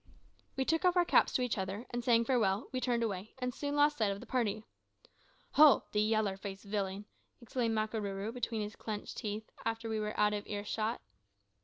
We took off our caps to each other, and saying farewell, we turned away, and soon lost sight of the party. "Ho! de yaller faced villain," exclaimed Makarooroo between his clinched teeth, after we were out of earshot.